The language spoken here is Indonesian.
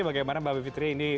bagaimana mbak bivitri ini